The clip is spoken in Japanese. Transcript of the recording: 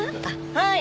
はい。